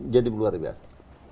jadi luar biasa